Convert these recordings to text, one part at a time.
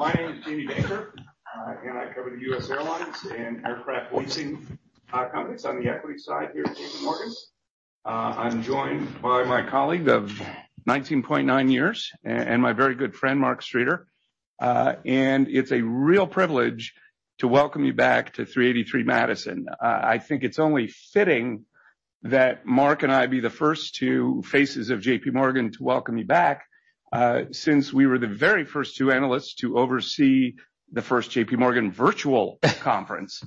My name is Jamie Baker, and I cover the U.S. Airlines and Aircraft leasing companies on the equity side here at JPMorgan. I'm joined by my colleague of 19.9 years and my very good friend, Mark Streeter. It's a real privilege to welcome you back to 383 Madison. I think it's only fitting that Mark and I be the first two faces of JPMorgan to welcome you back, since we were the very first two analysts to oversee the first JPMorgan virtual conference,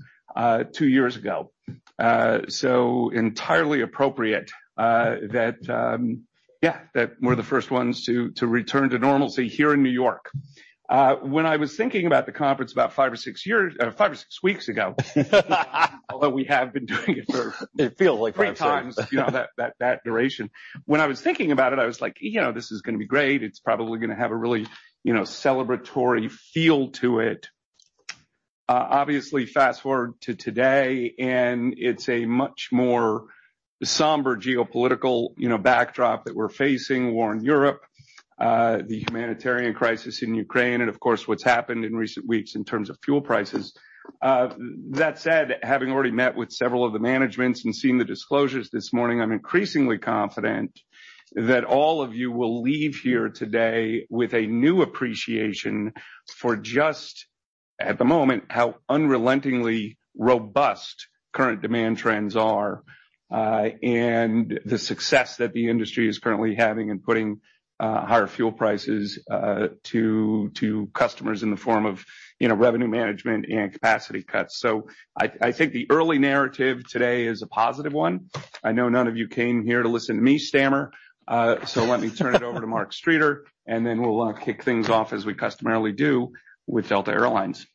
two years ago. It's entirely appropriate that we're the first ones to return to normalcy here in New York. When I was thinking about the conference about five or six weeks ago. Although we have been doing it for- It feels like five, six. Three times, you know, that duration. When I was thinking about it, I was like, you know, this is gonna be great. It's probably gonna have a really, you know, celebratory feel to it. Obviously fast-forward to today, and it's a much more somber geopolitical, you know, backdrop that we're facing. War in Europe, the humanitarian crisis in Ukraine, and of course, what's happened in recent weeks in terms of fuel prices. That said, having already met with several of the managements and seen the disclosures this morning, I'm increasingly confident that all of you will leave here today with a new appreciation for just, at the moment, how unrelentingly robust current demand trends are, and the success that the industry is currently having in putting higher fuel prices to customers in the form of, you know, revenue management and capacity cuts. I think the early narrative today is a positive one. I know none of you came here to listen to me stammer, so let me turn it over to Mark Streeter, and then we'll kick things off as we customarily do with Delta Air Lines.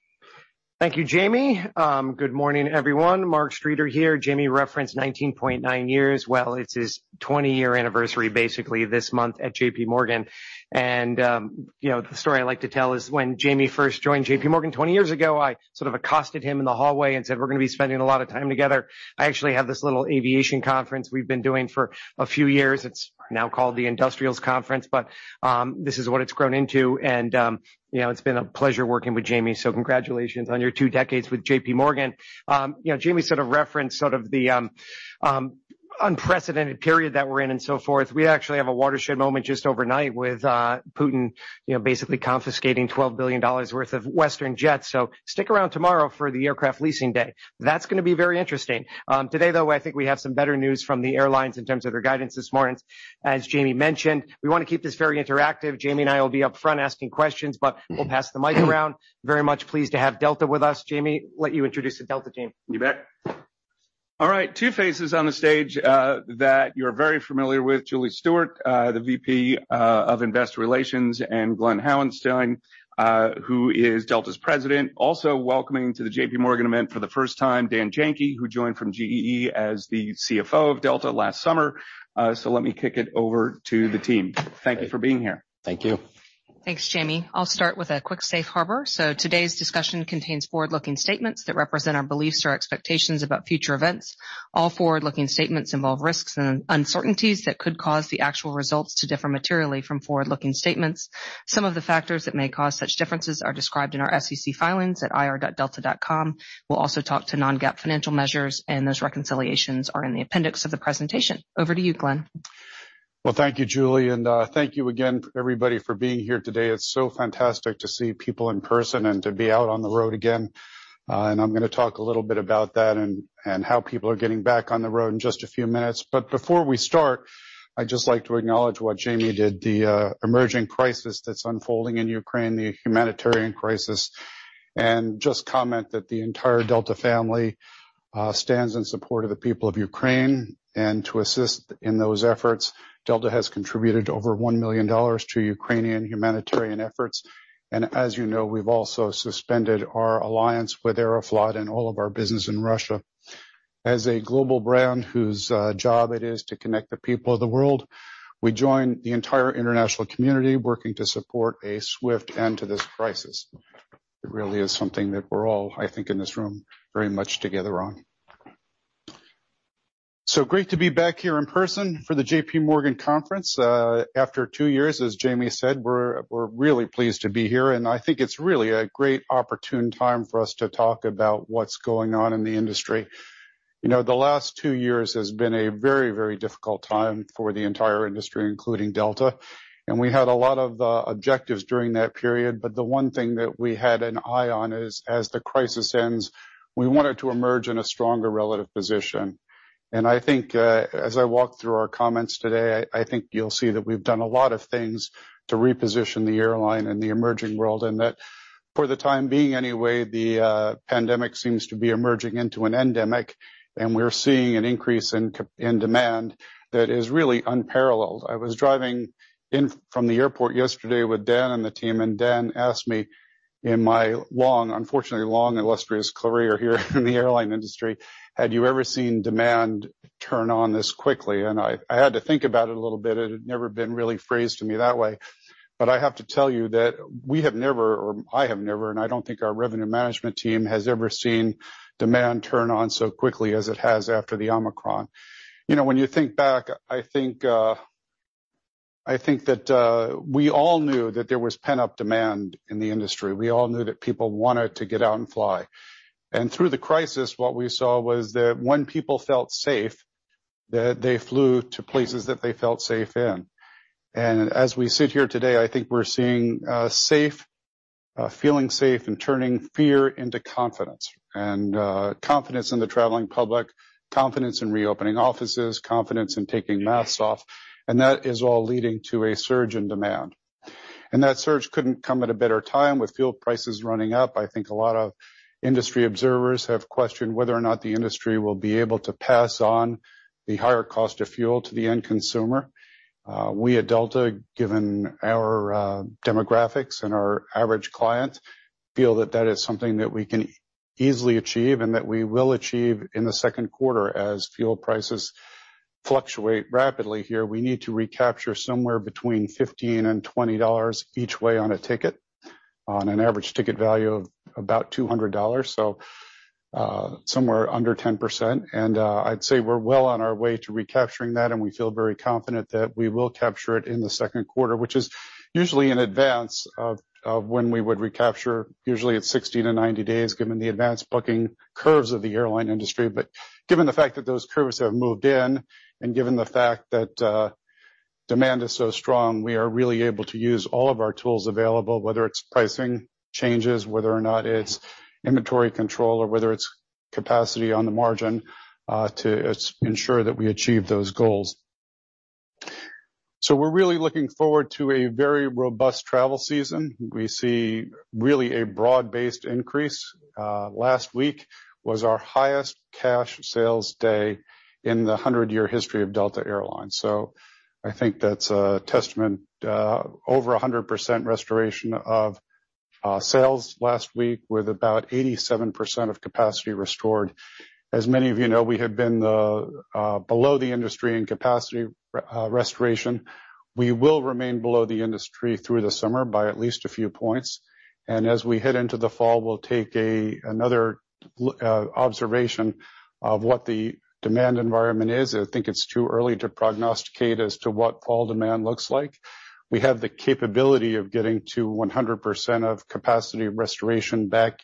Thank you, Jamie. Good morning, everyone. Mark Streeter here. Jamie referenced 19.9 years. Well, it's his 20-year anniversary, basically this month at JPMorgan. You know, the story I like to tell is when Jamie first joined JPMorgan 20 years ago, I sort of accosted him in the hallway and said, "We're gonna be spending a lot of time together. I actually have this little aviation conference we've been doing for a few years." It's now called the Industrials Conference, but this is what it's grown into. You know, it's been a pleasure working with Jamie, so congratulations on your two decades with JPMorgan. You know, Jamie sort of referenced the unprecedented period that we're in and so forth. We actually have a watershed moment just overnight with Putin, you know, basically confiscating $12 billion worth of Western jets. Stick around tomorrow for the aircraft leasing day. That's gonna be very interesting. Today, though, I think we have some better news from the airlines in terms of their guidance this morning. As Jamie mentioned, we wanna keep this very interactive. Jamie and I will be up front asking questions, but we'll pass the mic around. Very much pleased to have Delta with us. Jamie, I'll let you introduce the Delta team. You bet. All right, two faces on the stage that you're very familiar with. Julie Stewart, the VP of Investor Relations, and Glen Hauenstein, who is Delta's president. Also welcoming to the JPMorgan event for the first time, Dan Janki, who joined from GE as the CFO of Delta last summer. Let me kick it over to the team. Thank you for being here. Thank you. Thanks, Jamie. I'll start with a quick safe harbor. Today's discussion contains forward-looking statements that represent our beliefs or expectations about future events. All forward-looking statements involve risks and uncertainties that could cause the actual results to differ materially from forward-looking statements. Some of the factors that may cause such differences are described in our SEC filings at ir.delta.com. We'll also talk about non-GAAP financial measures, and those reconciliations are in the appendix of the presentation. Over to you, Glen. Well, thank you, Julie, and thank you again, everybody, for being here today. It's so fantastic to see people in person and to be out on the road again. I'm gonna talk a little bit about that and how people are getting back on the road in just a few minutes. Before we start, I'd just like to acknowledge what Jamie did, the emerging crisis that's unfolding in Ukraine, the humanitarian crisis, and just comment that the entire Delta family stands in support of the people of Ukraine. To assist in those efforts, Delta has contributed over $1 million to Ukrainian humanitarian efforts. As you know, we've also suspended our alliance with Aeroflot and all of our business in Russia. As a global brand whose job it is to connect the people of the world, we join the entire international community working to support a swift end to this crisis. It really is something that we're all, I think, in this room, very much together on. Great to be back here in person for the JPMorgan conference. After two years, as Jamie said, we're really pleased to be here, and I think it's really a great opportune time for us to talk about what's going on in the industry. You know, the last two years has been a very, very difficult time for the entire industry, including Delta. We had a lot of objectives during that period, but the one thing that we had an eye on is, as the crisis ends, we wanted to emerge in a stronger relative position. I think, as I walk through our comments today, I think you'll see that we've done a lot of things to reposition the airline in the emerging world, and that for the time being anyway, the pandemic seems to be emerging into an endemic, and we're seeing an increase in demand that is really unparalleled. I was driving in from the airport yesterday with Dan and the team, and Dan asked me, in my long, unfortunately long, illustrious career here in the airline industry, had you ever seen demand turn on this quickly? I had to think about it a little bit. It had never been really phrased to me that way. I have to tell you that we have never, or I have never, and I don't think our revenue management team has ever seen demand turn on so quickly as it has after the Omicron. You know, when you think back, I think that we all knew that there was pent-up demand in the industry. We all knew that people wanted to get out and fly. Through the crisis, what we saw was that when people felt safe, that they flew to places that they felt safe in. As we sit here today, I think we're seeing safe feeling safe and turning fear into confidence. Confidence in the traveling public, confidence in reopening offices, confidence in taking masks off, and that is all leading to a surge in demand. That surge couldn't come at a better time with fuel prices running up. I think a lot of industry observers have questioned whether or not the industry will be able to pass on the higher cost of fuel to the end consumer. We at Delta, given our demographics and our average client, feel that that is something that we can easily achieve and that we will achieve in the second quarter as fuel prices fluctuate rapidly here. We need to recapture somewhere between $15-$20 each way on a ticket on an average ticket value of about $200, so somewhere under 10%. I'd say we're well on our way to recapturing that, and we feel very confident that we will capture it in the second quarter. Which is usually in advance of when we would recapture, usually it's 60-90 days, given the advanced booking curves of the airline industry. Given the fact that those curves have moved in, and given the fact that demand is so strong, we are really able to use all of our tools available, whether it's pricing changes, whether or not its inventory control, or whether it's capacity on the margin, to ensure that we achieve those goals. We're really looking forward to a very robust travel season. We see really a broad-based increase. Last week was our highest cash sales day in the 100-year history of Delta Air Lines. I think that's a testament, over 100% restoration of sales last week, with about 87% of capacity restored. As many of you know, we have been below the industry in capacity restoration. We will remain below the industry through the summer by at least a few points. As we head into the fall, we'll take another observation of what the demand environment is. I think it's too early to prognosticate as to what fall demand looks like. We have the capability of getting to 100% of capacity restoration back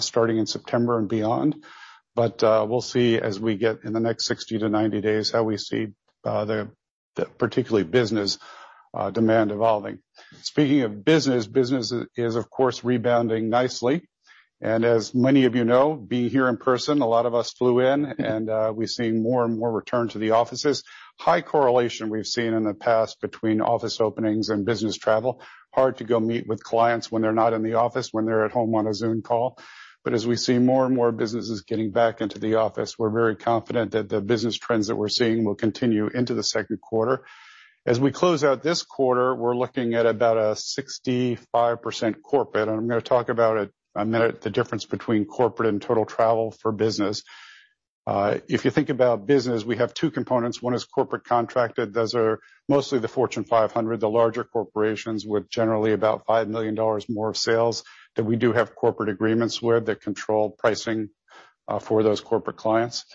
starting in September and beyond. We'll see as we get in the next 60-90 days how we see the particularly business demand evolving. Speaking of business is of course rebounding nicely. As many of you know, being here in person, a lot of us flew in and we're seeing more and more return to the offices. High correlation we've seen in the past between office openings and business travel. Hard to go meet with clients when they're not in the office, when they're at home on a Zoom call. As we see more and more businesses getting back into the office, we're very confident that the business trends that we're seeing will continue into the second quarter. As we close out this quarter, we're looking at about a 65% corporate. I'm gonna talk about a minute, the difference between corporate and total travel for business. If you think about business, we have two components. One is corporate contracted. Those are mostly the Fortune 500, the larger corporations with generally about $5 million more of sales that we do have corporate agreements with that control pricing, for those corporate clients.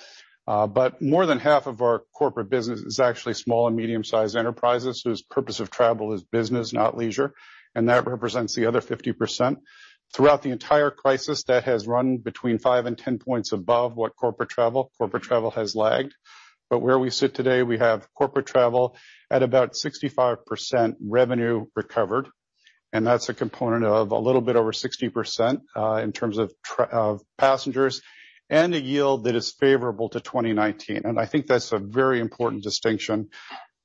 More than half of our corporate business is actually small and medium-sized enterprises whose purpose of travel is business, not leisure, and that represents the other 50%. Throughout the entire crisis, that has run between five and 10 points above what corporate travel has lagged. Where we sit today, we have corporate travel at about 65% revenue recovered, and that's a component of a little bit over 60% in terms of passengers and a yield that is favorable to 2019. I think that's a very important distinction.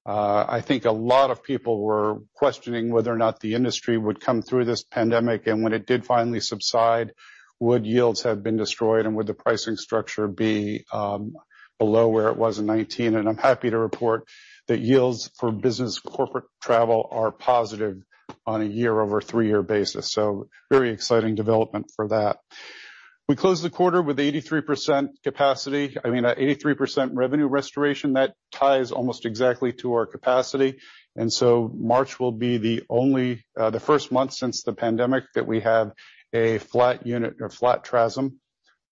I think a lot of people were questioning whether or not the industry would come through this pandemic, and when it did finally subside, would yields have been destroyed and would the pricing structure be below where it was in 2019? I'm happy to report that yields for business corporate travel are positive on a year-over-year basis. Very exciting development for that. We closed the quarter with 83% capacity. I mean, 83% revenue restoration. That ties almost exactly to our capacity. March will be the first month since the pandemic that we have a flat unit or flat TRASM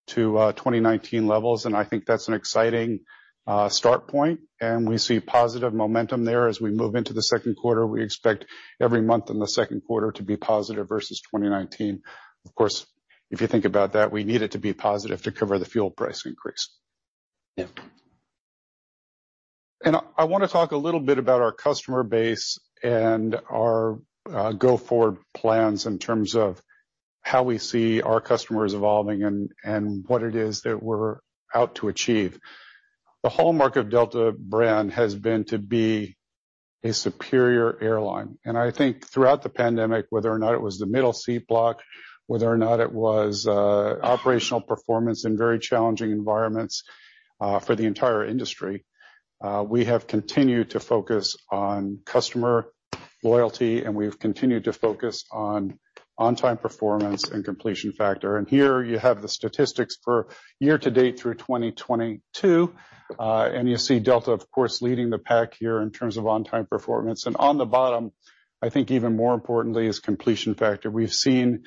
to 2019 levels, and I think that's an exciting start point. We see positive momentum there as we move into the second quarter. We expect every month in the second quarter to be positive versus 2019. Of course, if you think about that, we need it to be positive to cover the fuel price increase. I wanna talk a little bit about our customer base and our go-forward plans in terms of how we see our customers evolving and what it is that we're out to achieve. The hallmark of Delta brand has been to be a superior airline. I think throughout the pandemic, whether or not it was the middle seat block, whether or not it was operational performance in very challenging environments for the entire industry, we have continued to focus on customer loyalty, and we've continued to focus on on-time performance and completion factor. Here you have the statistics for year-to-date through 2022. You see Delta, of course, leading the pack here in terms of on-time performance. On the bottom, I think even more importantly is completion factor. We've seen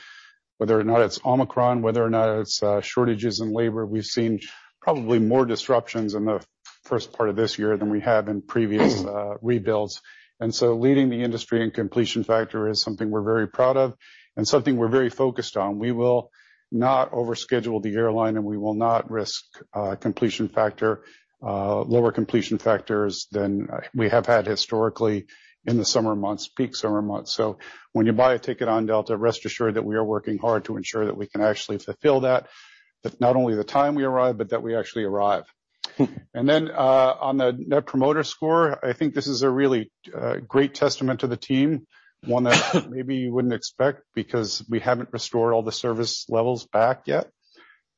whether or not it's Omicron, whether or not it's shortages in labor, we've seen probably more disruptions in the first part of this year than we have in previous rebuilds. Leading the industry in completion factor is something we're very proud of and something we're very focused on. We will not overschedule the airline, and we will not risk completion factor, lower completion factors than we have had historically in the summer months, peak summer months. When you buy a ticket on Delta, rest assured that we are working hard to ensure that we can actually fulfill that. That not only the time we arrive, but that we actually arrive. On the Net Promoter Score, I think this is a really great testament to the team, one that maybe you wouldn't expect because we haven't restored all the service levels back yet.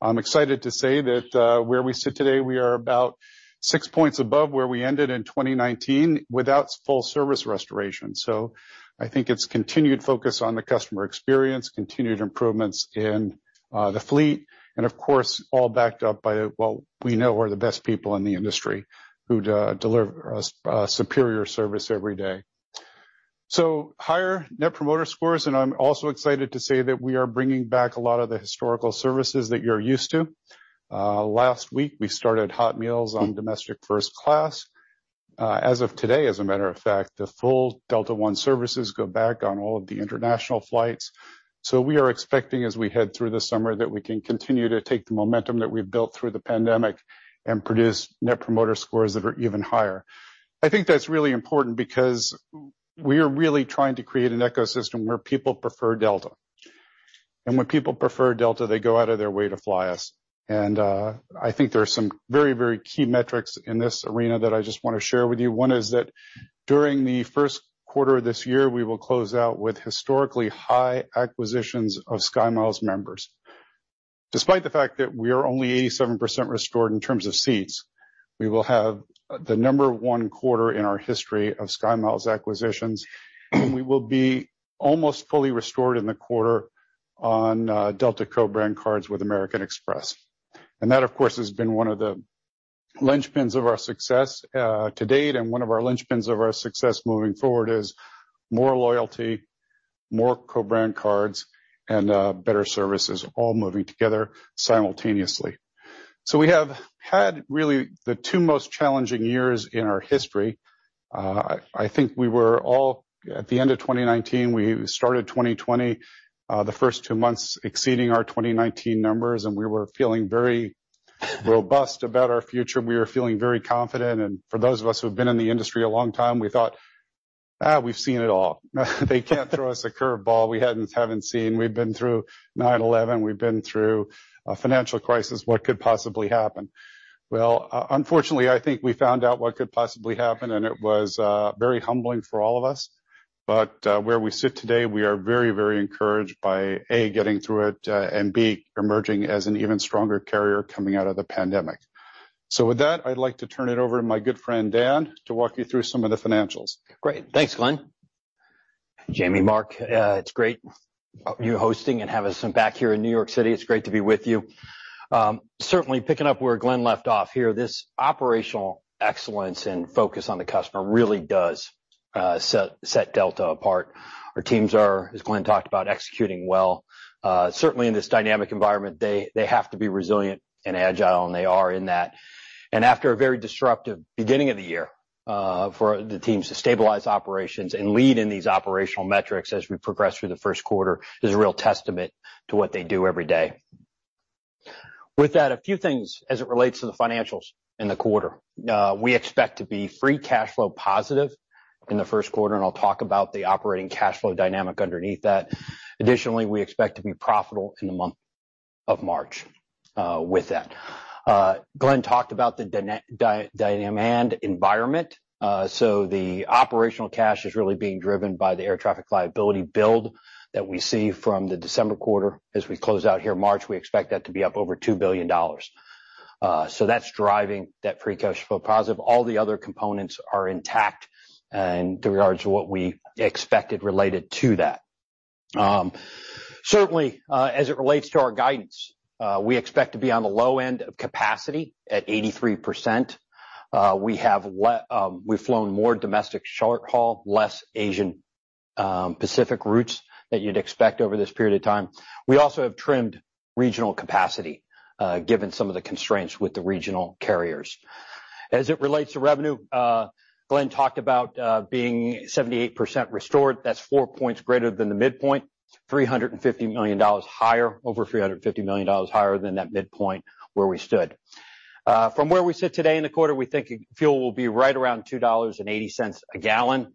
I'm excited to say that where we sit today, we are about six points above where we ended in 2019 without full service restoration. I think it's continued focus on the customer experience, continued improvements in the fleet, and of course, all backed up by what we know are the best people in the industry who deliver a superior service every day. Higher Net Promoter Scores, and I'm also excited to say that we are bringing back a lot of the historical services that you're used to. Last week, we started hot meals on domestic first class. As of today, as a matter of fact, the full Delta One services go back on all of the international flights. We are expecting, as we head through the summer, that we can continue to take the momentum that we've built through the pandemic and produce Net Promoter Scores that are even higher. I think that's really important because we are really trying to create an ecosystem where people prefer Delta. When people prefer Delta, they go out of their way to fly us. I think there are some very, very key metrics in this arena that I just wanna share with you. One is that during the first quarter of this year, we will close out with historically high acquisitions of SkyMiles members. Despite the fact that we are only 87% restored in terms of seats, we will have the number 1 quarter in our history of SkyMiles acquisitions, and we will be almost fully restored in the quarter on Delta co-brand cards with American Express. That, of course, has been one of the linchpins of our success to date, and one of our linchpins of our success moving forward is more loyalty, more co-brand cards, and better services all moving together simultaneously. We have had really the two most challenging years in our history. I think at the end of 2019, we started 2020, the first two months exceeding our 2019 numbers, and we were feeling very robust about our future. We were feeling very confident. For those of us who've been in the industry a long time, we thought, "We've seen it all. They can't throw us a curveball we haven't seen. We've been through 9/11. We've been through a financial crisis. What could possibly happen?" Well, unfortunately, I think we found out what could possibly happen, and it was very humbling for all of us. Where we sit today, we are very, very encouraged by A, getting through it, and B, emerging as an even stronger carrier coming out of the pandemic. With that, I'd like to turn it over to my good friend, Dan, to walk you through some of the financials. Great. Thanks, Glen. Jamie, Mark, it's great, you hosting and having us back here in New York City. It's great to be with you. Certainly picking up where Glen left off here, this operational excellence and focus on the customer really does set Delta apart. Our teams are, as Glen talked about, executing well. Certainly in this dynamic environment, they have to be resilient and agile, and they are in that. After a very disruptive beginning of the year, for the teams to stabilize operations and lead in these operational metrics as we progress through the first quarter is a real testament to what they do every day. With that, a few things as it relates to the financials in the quarter. We expect to be free cash flow positive in the first quarter, and I'll talk about the operating cash flow dynamic underneath that. Additionally, we expect to be profitable in the month of March with that. Glen talked about the demand environment. The operating cash is really being driven by the Air Traffic Liability build that we see from the December quarter. As we close out the March, we expect that to be up over $2 billion. That's driving that free cash flow positive. All the other components are intact in regards to what we expected related to that. Certainly, as it relates to our guidance, we expect to be on the low end of capacity at 83%. We've flown more domestic short-haul, less Asian Pacific routes that you'd expect over this period of time. We also have trimmed regional capacity, given some of the constraints with the regional carriers. As it relates to revenue, Glen talked about being 78% restored. That's four points greater than the midpoint, $350 million higher, over $350 million higher than that midpoint where we stood. From where we sit today in the quarter, we think fuel will be right around $2.80 a gallon.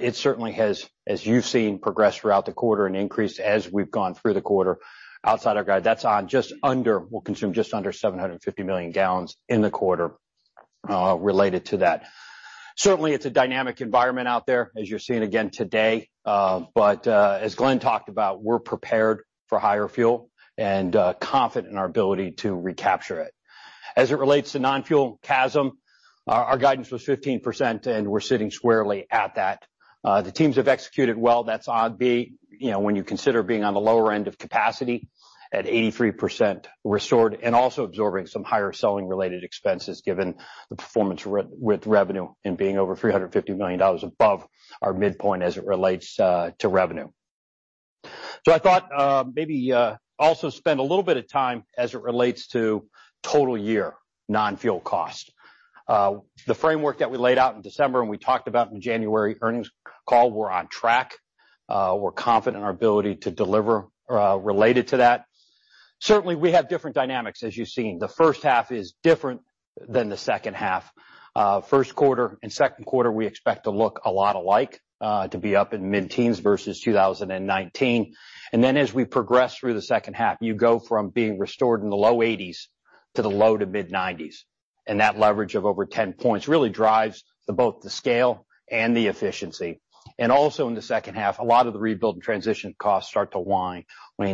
It certainly has, as you've seen, progressed throughout the quarter and increased as we've gone through the quarter. Outside our guide, we'll consume just under 750 million gallons in the quarter, related to that. Certainly, it's a dynamic environment out there, as you're seeing again today, but as Glen talked about, we're prepared for higher fuel and confident in our ability to recapture it. As it relates to non-fuel CASM, our guidance was 15%, and we're sitting squarely at that. The teams have executed well. That's on B, you know, when you consider being on the lower end of capacity at 83% restored and also absorbing some higher selling-related expenses given the performance relative to revenue and being over $350 million above our midpoint as it relates to revenue. I thought, maybe, also spend a little bit of time as it relates to total year non-fuel cost. The framework that we laid out in December and we talked about in the January earnings call, we're on track. We're confident in our ability to deliver related to that. Certainly, we have different dynamics, as you've seen. The first half is different than the second half. First quarter and second quarter, we expect to look a lot alike, to be up in mid-teens versus 2019. As we progress through the second half, you go from being restored in the low 80s to the low- to mid-90s, and that leverage of over 10 points really drives both the scale and the efficiency. Also in the second half, a lot of the rebuild and transition costs start to wind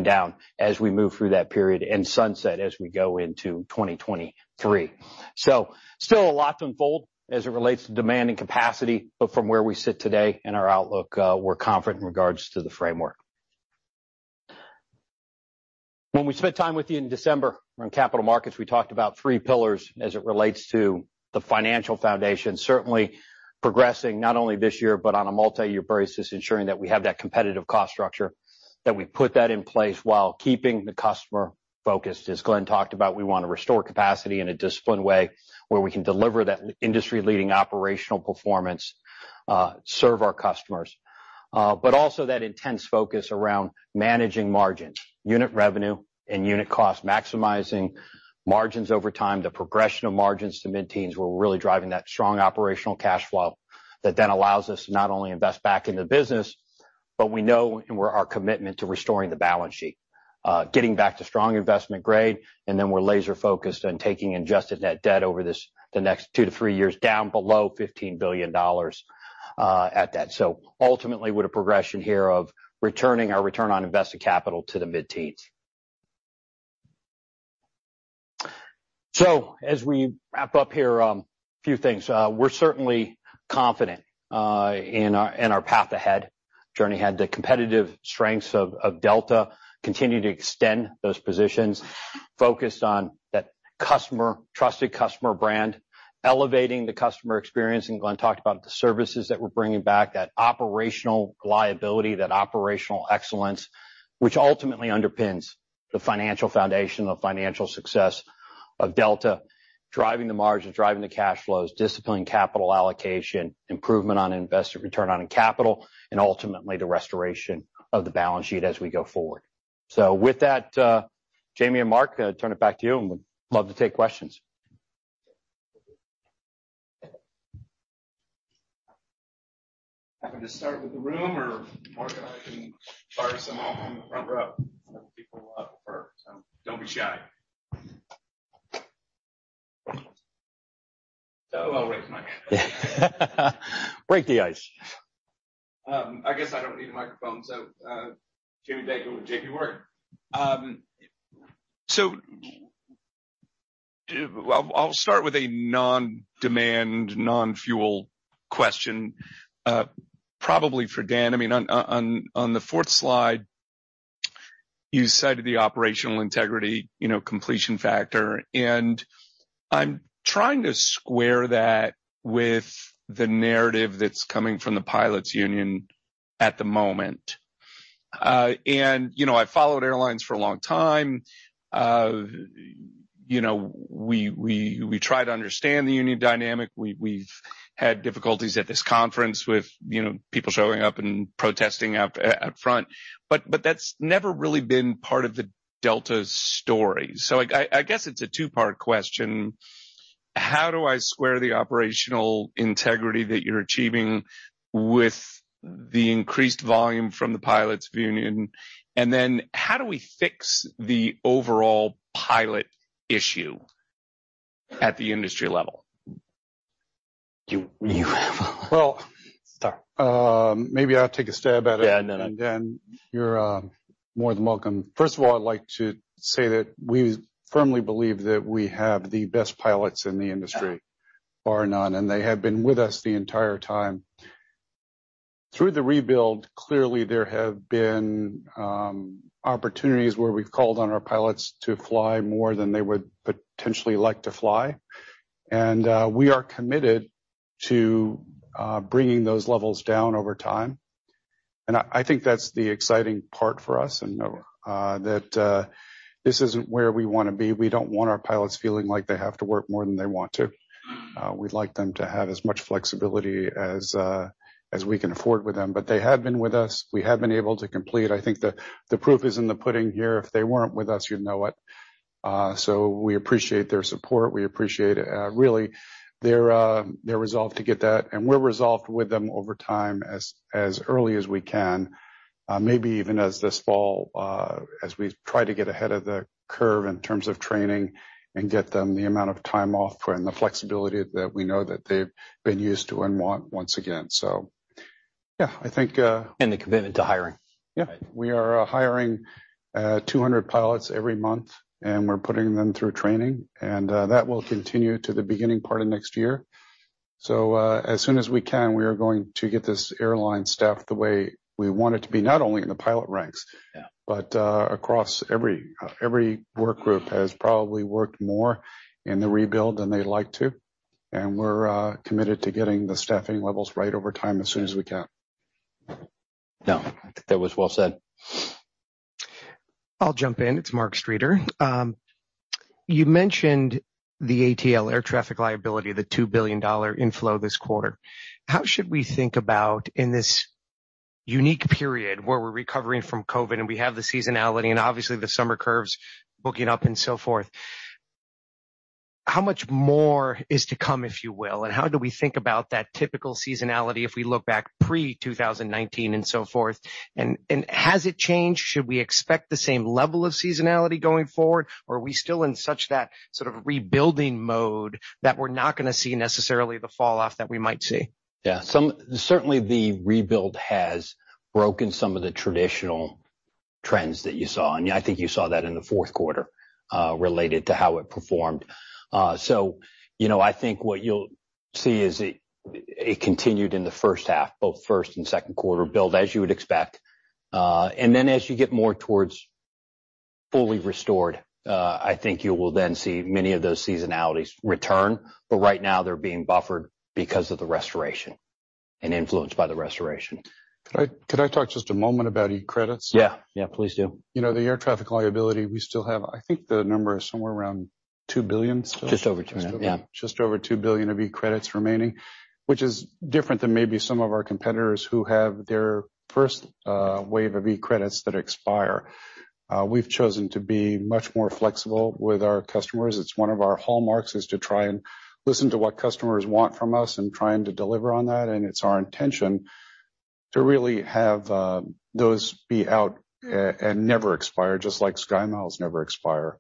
down as we move through that period and sunset as we go into 2023. Still a lot to unfold as it relates to demand and capacity, but from where we sit today and our outlook, we're confident in regards to the framework. When we spent time with you in December on capital markets, we talked about three pillars as it relates to the financial foundation. Certainly progressing not only this year, but on a multi-year basis, ensuring that we have that competitive cost structure, that we put that in place while keeping the customer focused. As Glenn talked about, we want to restore capacity in a disciplined way where we can deliver that industry-leading operational performance, serve our customers. Also that intense focus around managing margins, unit revenue and unit cost, maximizing margins over time, the progression of margins to mid-teens. We're really driving that strong operational cash flow that then allows us to not only invest back in the business, but our commitment to restoring the balance sheet, getting back to strong investment grade, and then we're laser-focused on taking Adjusted Net Debt over the next 2-3 years down below $15 billion. Ultimately, with a progression here of returning our Return on Invested Capital to the mid-teens. As we wrap up here, a few things. We're certainly confident in our path ahead, journey ahead. The competitive strengths of Delta continue to extend those positions, focused on that customer, trusted customer brand, elevating the customer experience, and Glenn talked about the services that we're bringing back, that operational reliability, that operational excellence, which ultimately underpins the financial foundation, the financial success of Delta. Driving the margins, driving the cash flows, disciplining capital allocation, improvement in return on invested capital, and ultimately the restoration of the balance sheet as we go forward. With that, Jamie and Mark, I turn it back to you, and we'd love to take questions. Just start with the room or Mark and I can fire some off on the front row. Whatever people would prefer. Don't be shy. I'll raise my hand. Break the ice. I guess I don't need a microphone, so Jamie, take it away. Well, I'll start with a non-demand, non-fuel question, probably for Dan. I mean, on the fourth slide, you cited the operational integrity, you know, completion factor. I'm trying to square that with the narrative that's coming from the Pilots Union at the moment. You know, I followed airlines for a long time. You know, we try to understand the union dynamic. We've had difficulties at this conference with, you know, people showing up and protesting out front. But that's never really been part of the Delta story. I guess it's a two-part question. How do I square the operational integrity that you're achieving with the increased volume from the Pilots Union? How do we fix the overall pilot issue at the industry level? Well. Sorry. Maybe I'll take a stab at it. Yeah, no. You're more than welcome. First of all, I'd like to say that we firmly believe that we have the best pilots in the industry, bar none, and they have been with us the entire time. Through the rebuild, clearly there have been opportunities where we've called on our pilots to fly more than they would potentially like to fly. We are committed to bringing those levels down over time. I think that's the exciting part for us and that this isn't where we wanna be. We don't want our pilots feeling like they have to work more than they want to. We'd like them to have as much flexibility as we can afford with them, but they have been with us. We have been able to complete. I think the proof is in the pudding here. If they weren't with us, you'd know it. We appreciate their support. We appreciate really their resolve to get that, and we're resolved with them over time as early as we can, maybe even as this fall, as we try to get ahead of the curve in terms of training and get them the amount of time off and the flexibility that we know that they've been used to and want once again. Yeah, I think The commitment to hiring. Yeah. We are hiring 200 pilots every month, and we're putting them through training, and that will continue to the beginning part of next year. As soon as we can, we are going to get this airline staffed the way we want it to be, not only in the pilot ranks- Yeah. Across every work group has probably worked more in the rebuild than they'd like to. We're committed to getting the staffing levels right over time as soon as we can. No, that was well said. I'll jump in. It's Mark Streeter. You mentioned the Air Traffic Liability, the $2 billion inflow this quarter. How should we think about it in this unique period where we're recovering from COVID and we have the seasonality and obviously the summer curves booking up and so forth, how much more is to come, if you will? How do we think about that typical seasonality if we look back pre-2019 and so forth? Has it changed? Should we expect the same level of seasonality going forward? Or are we still in such that sort of rebuilding mode that we're not gonna see necessarily the fall off that we might see? Yeah. Certainly the rebuild has broken some of the traditional trends that you saw, and I think you saw that in the fourth quarter, related to how it performed. You know, I think what you'll see is it continued in the first half, both first and second quarter build, as you would expect. Then as you get more towards fully restored, I think you will then see many of those seasonalities return. But right now, they're being buffered because of the restoration and influenced by the restoration. Could I talk just a moment about eCredits? Yeah. Yeah, please do. You know, the Air Traffic Liability, we still have, I think the number is somewhere around $2 billion still. Just over 2 now, yeah. Just over $2 billion of eCredits remaining, which is different than maybe some of our competitors who have their first wave of eCredits that expire. We've chosen to be much more flexible with our customers. It's one of our hallmarks, is to try and listen to what customers want from us and trying to deliver on that. It's our intention to really have those be out and never expire, just like SkyMiles never expire.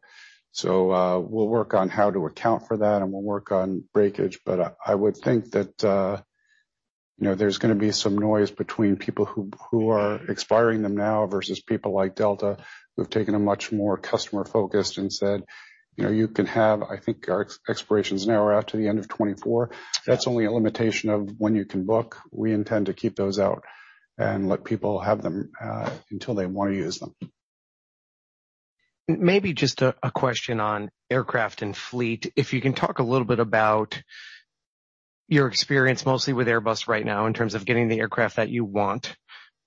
We'll work on how to account for that, and we'll work on breakage. I would think that you know there's gonna be some noise between people who are expiring them now versus people like Delta who've taken a much more customer-focused and said you know "You can have," I think our expirations now are out to the end of 2024. That's only a limitation of when you can book. We intend to keep those out and let people have them until they wanna use them. Maybe just a question on aircraft and fleet. If you can talk a little bit about your experience, mostly with Airbus right now, in terms of getting the aircraft that you want,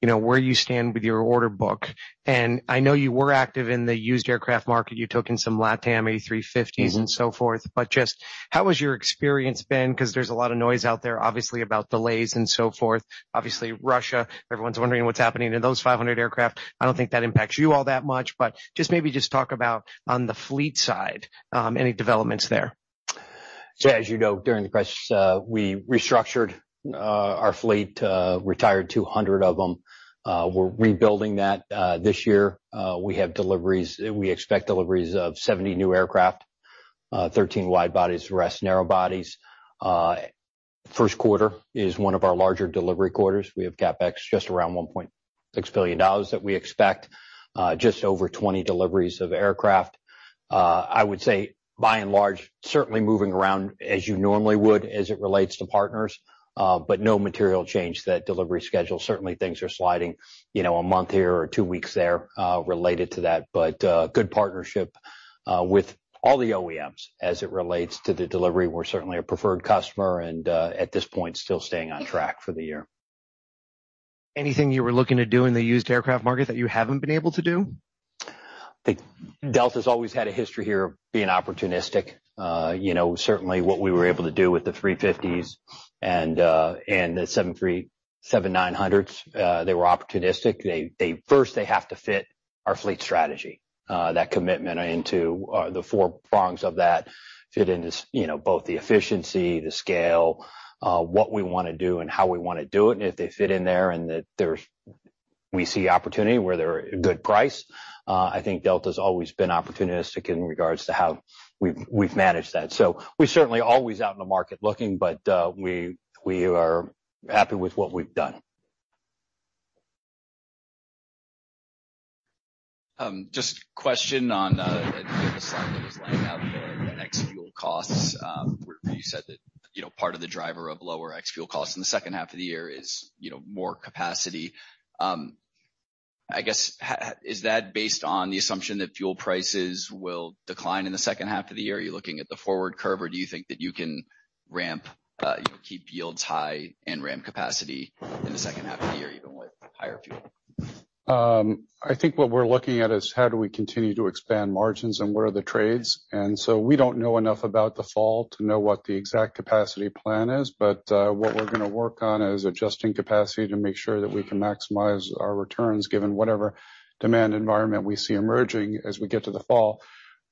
you know, where you stand with your order book. I know you were active in the used aircraft market. You took in some LATAM A350s and so forth. Just how has your experience been? 'Cause there's a lot of noise out there, obviously, about delays and so forth. Obviously, Russia, everyone's wondering what's happening to those 500 aircraft. I don't think that impacts you all that much, but just maybe talk about on the fleet side, any developments there. As you know, during the crisis, we restructured our fleet, retired 200 of them. We're rebuilding that this year. We expect deliveries of 70 new aircraft, 13 wide bodies, the rest narrow bodies. First quarter is one of our larger delivery quarters. We have CapEx just around $1.6 billion that we expect, just over 20 deliveries of aircraft. I would say by and large, certainly moving around as you normally would as it relates to partners, but no material change to that delivery schedule. Certainly, things are sliding, you know, a month here or two weeks there, related to that. Good partnership with all the OEMs as it relates to the delivery. We're certainly a preferred customer and, at this point, still staying on track for the year. Anything you were looking to do in the used aircraft market that you haven't been able to do? I think Delta's always had a history here of being opportunistic. You know, certainly what we were able to do with the A350s and the 737-900s, they were opportunistic. First, they have to fit our fleet strategy, that commitment into the four prongs of that fit in this, you know, both the efficiency, the scale, what we wanna do and how we wanna do it. If they fit in there and there's opportunity where they're a good price, I think Delta's always been opportunistic in regards to how we've managed that. We're certainly always out in the market looking, but we are happy with what we've done. Just a question on, you had a slide that was laying out the ex-fuel costs, where you said that, you know, part of the driver of lower ex-fuel costs in the second half of the year is, you know, more capacity. I guess, how is that based on the assumption that fuel prices will decline in the second half of the year? Are you looking at the forward curve, or do you think that you can ramp, you know, keep yields high and ramp capacity in the second half of the year, even with higher fuel? I think what we're looking at is how do we continue to expand margins and where are the trades. We don't know enough about the fall to know what the exact capacity plan is, but what we're gonna work on is adjusting capacity to make sure that we can maximize our returns given whatever demand environment we see emerging as we get to the fall.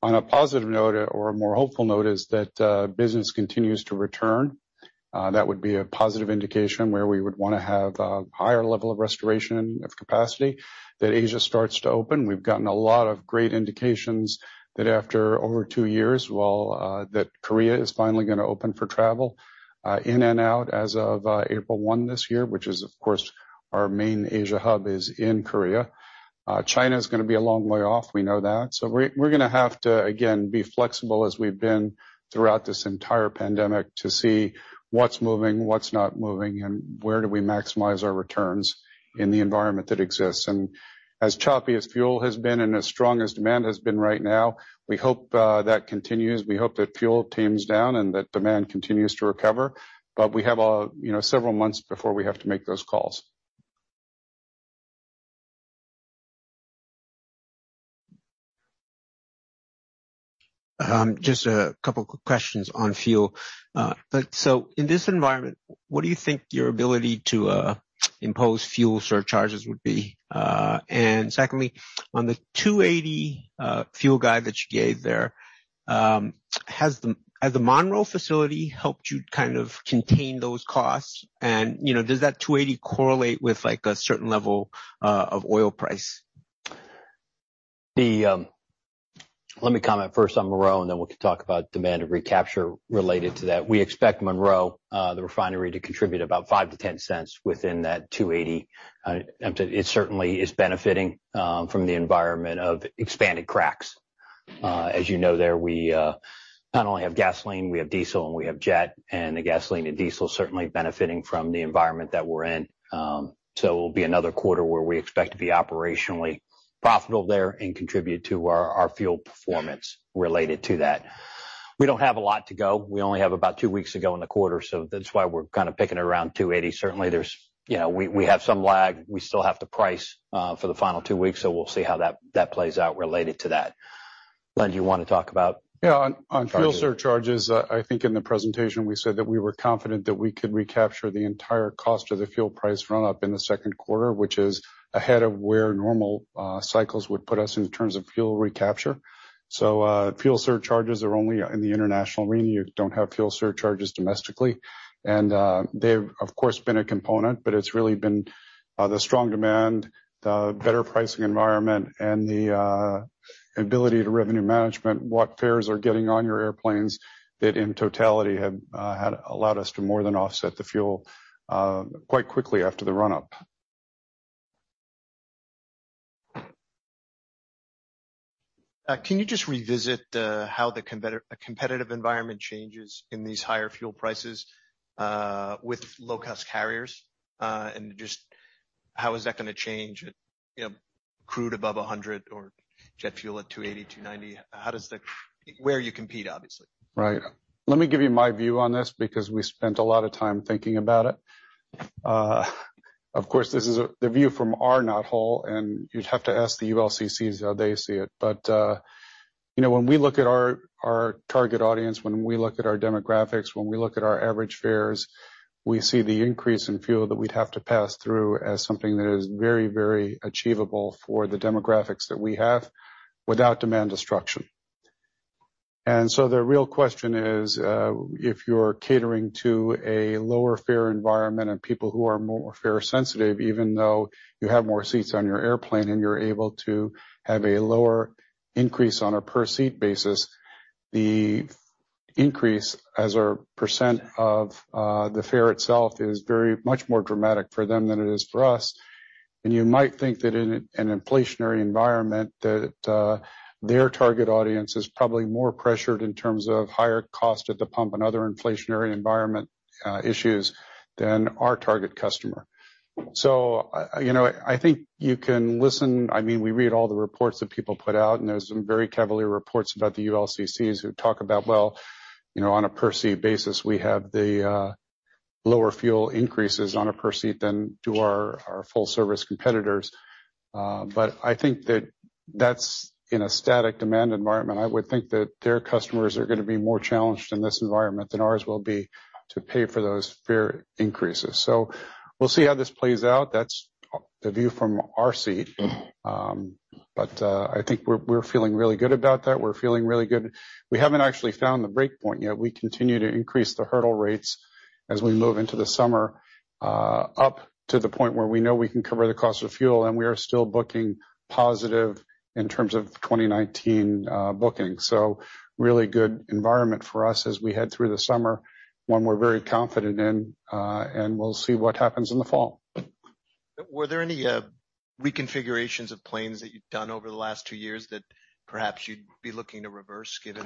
On a positive note or a more hopeful note is that business continues to return. That would be a positive indication where we would wanna have a higher level of restoration of capacity. That Asia starts to open. We've gotten a lot of great indications that after over two years that Korea is finally gonna open for travel in and out as of April 1 this year, which is, of course, our main Asia hub is in Korea. China is gonna be a long way off, we know that. We're gonna have to, again, be flexible as we've been throughout this entire pandemic to see what's moving, what's not moving, and where do we maximize our returns in the environment that exists. As choppy as fuel has been and as strong as demand has been right now, we hope that continues. We hope that fuel tames down and that demand continues to recover. We have you know several months before we have to make those calls. Just a couple questions on fuel. In this environment, what do you think your ability to impose fuel surcharges would be? Secondly, on the $2.80 fuel guide that you gave there, has the Monroe facility helped you kind of contain those costs? You know, does that $2.80 correlate with like a certain level of oil price? Let me comment first on Monroe, and then we can talk about demand and recapture related to that. We expect Monroe, the refinery, to contribute about $0.05-$0.10 within that $2.80. It certainly is benefiting from the environment of expanded cracks. As you know there, we not only have gasoline, we have diesel, and we have jet. The gasoline and diesel certainly benefiting from the environment that we're in. So it will be another quarter where we expect to be operationally profitable there and contribute to our fuel performance related to that. We don't have a lot to go. We only have about two weeks to go in the quarter, so that's why we're kind of pegging around $2.80. Certainly there's, you know, we have some lag. We still have to price for the final two weeks, so we'll see how that plays out related to that. Glen, do you wanna talk about- Yeah. On fuel surcharges, I think in the presentation we said that we were confident that we could recapture the entire cost of the fuel price run-up in the second quarter, which is ahead of where normal cycles would put us in terms of fuel recapture. Fuel surcharges are only in the international arena. You don't have fuel surcharges domestically. They've of course been a component, but it's really been the strong demand, the better pricing environment and the ability to revenue manage what fares you're getting on your airplanes that in totality have allowed us to more than offset the fuel quite quickly after the run-up. Can you just revisit how the competitive environment changes in these higher fuel prices with low-cost carriers? Just how is that gonna change at, you know, crude above $100 or jet fuel at $2.80-$2.90, where you compete, obviously? Right. Let me give you my view on this because we spent a lot of time thinking about it. Of course, this is the view from our knothole, and you'd have to ask the ULCCs how they see it. You know, when we look at our target audience, when we look at our demographics, when we look at our average fares, we see the increase in fuel that we'd have to pass through as something that is very, very achievable for the demographics that we have without demand destruction. The real question is, if you're catering to a lower fare environment and people who are more fare-sensitive, even though you have more seats on your airplane and you're able to have a lower increase on a per seat basis, the increase as a percent of the fare itself is very much more dramatic for them than it is for us. You might think that in an inflationary environment that their target audience is probably more pressured in terms of higher cost at the pump and other inflationary environment issues than our target customer. You know, I think you can listen. I mean, we read all the reports that people put out, and there's some very cavalier reports about the ULCCs who talk about, "Well, you know, on a per seat basis, we have the lower fuel increases on a per seat than do our full service competitors." But I think that's in a static demand environment. I would think that their customers are gonna be more challenged in this environment than ours will be to pay for those fare increases. We'll see how this plays out. That's the view from our seat. But I think we're feeling really good about that. We're feeling really good. We haven't actually found the break point yet. We continue to increase the hurdle rates as we move into the summer, up to the point where we know we can cover the cost of fuel, and we are still booking positive in terms of 2019 bookings. Really good environment for us as we head through the summer, one we're very confident in, and we'll see what happens in the fall. Were there any reconfigurations of planes that you've done over the last two years that perhaps you'd be looking to reverse given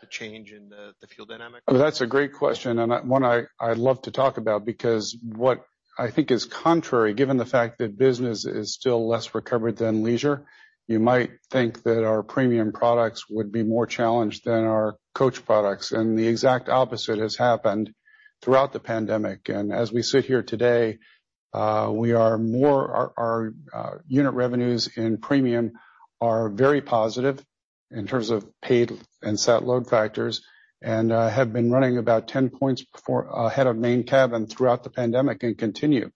the change in the fuel dynamic? That's a great question, one I love to talk about because what I think is contrary, given the fact that business is still less recovered than leisure, you might think that our premium products would be more challenged than our coach products. The exact opposite has happened throughout the pandemic. As we sit here today, our unit revenues in premium are very positive in terms of paid and sat load factors, and have been running about 10 points ahead of main cabin throughout the pandemic and continue.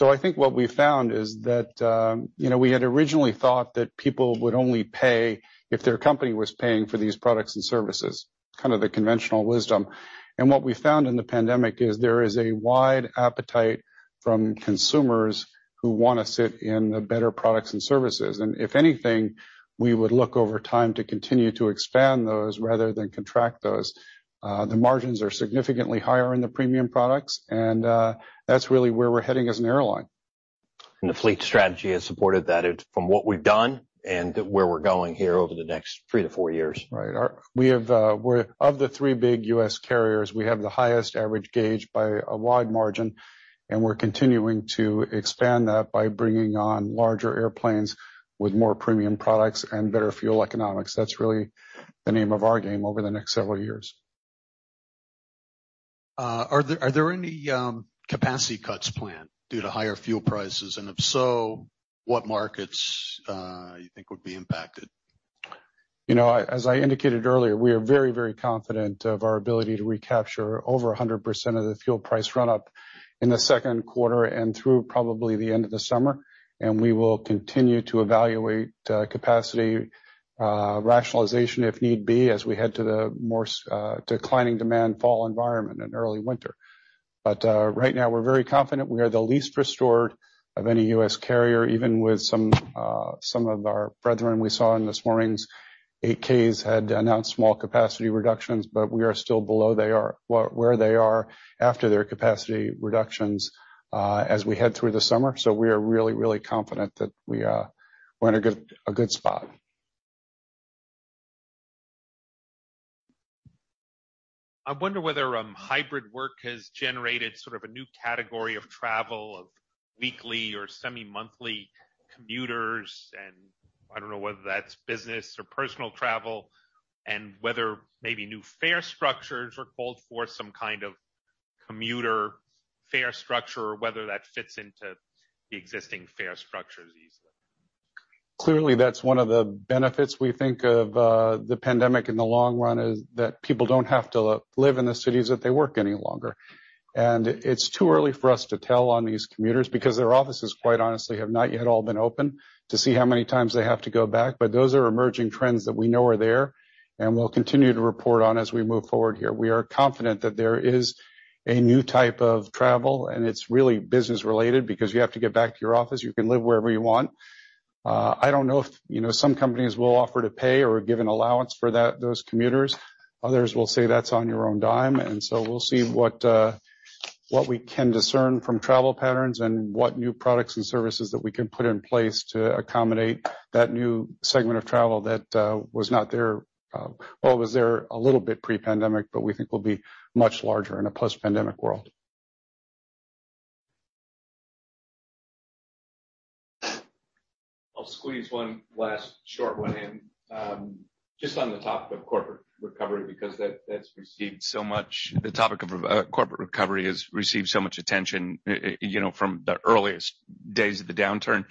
I think what we found is that, you know, we had originally thought that people would only pay if their company was paying for these products and services, kind of the conventional wisdom. What we found in the pandemic is there is a wide appetite from consumers who wanna sit in the better products and services. If anything, we would look over time to continue to expand those rather than contract those. The margins are significantly higher in the premium products, and that's really where we're heading as an airline. The fleet strategy has supported that it, from what we've done and where we're going here over the next 3-4 years. Right. Of the three big U.S. carriers, we have the highest average gauge by a wide margin, and we're continuing to expand that by bringing on larger airplanes with more premium products and better fuel economics. That's really the name of our game over the next several years. Are there any capacity cuts planned due to higher fuel prices? If so, what markets you think would be impacted? You know, as I indicated earlier, we are very, very confident of our ability to recapture over 100% of the fuel price run up in the second quarter and through probably the end of the summer. We will continue to evaluate capacity rationalization if need be, as we head to the more declining demand fall environment and early winter. Right now, we're very confident we are the least restored of any U.S. carrier, even with some of our brethren we saw in this morning's 8-K had announced small capacity reductions. We are still below where they are after their capacity reductions, as we head through the summer. We are really, really confident that we're in a good spot. I wonder whether hybrid work has generated sort of a new category of travel of weekly or semi-monthly commuters, and I don't know whether that's business or personal travel, and whether maybe new fare structures are called for some kind of commuter fare structure or whether that fits into the existing fare structures easily. Clearly, that's one of the benefits we think of the pandemic in the long run, is that people don't have to live in the cities that they work any longer. It's too early for us to tell on these commuters because their offices, quite honestly, have not yet all been open to see how many times they have to go back. Those are emerging trends that we know are there, and we'll continue to report on as we move forward here. We are confident that there is a new type of travel, and it's really business-related because you have to get back to your office, you can live wherever you want. I don't know if, you know, some companies will offer to pay or give an allowance for that, those commuters. Others will say, "That's on your own dime." We'll see what we can discern from travel patterns and what new products and services that we can put in place to accommodate that new segment of travel that was not there or was there a little bit pre-pandemic, but we think will be much larger in a post-pandemic world. I'll squeeze one last short one in, just on the topic of corporate recovery, because the topic of corporate recovery has received so much attention, you know, from the earliest days of the downturn.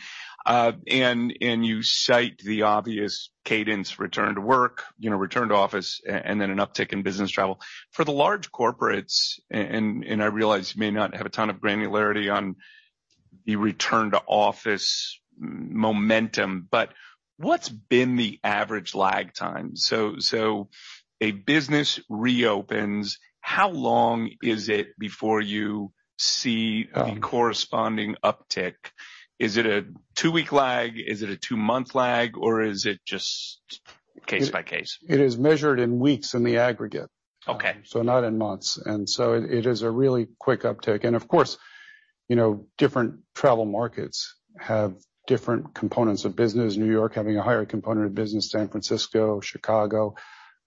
You cite the obvious cadence return to work, you know, return to office, and then an uptick in business travel. For the large corporates, I realize you may not have a ton of granularity on the return to office momentum, but what's been the average lag time? A business reopens, how long is it before you see the corresponding uptick? Is it a two-week lag? Is it a two-month lag, or is it just case by case? It is measured in weeks in the aggregate. Okay. Not in months. It is a really quick uptick. Of course, you know, different travel markets have different components of business. New York having a higher component of business, San Francisco, Chicago,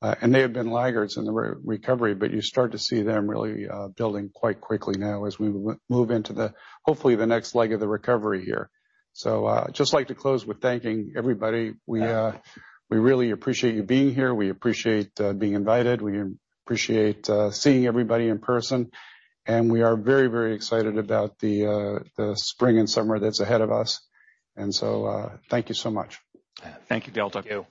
and they have been laggards in the recovery, but you start to see them really building quite quickly now as we move into, hopefully, the next leg of the recovery here. Just like to close with thanking everybody. We really appreciate you being here. We appreciate being invited. We appreciate seeing everybody in person. We are very, very excited about the spring and summer that's ahead of us. Thank you so much. Thank you, Delta. Thank you.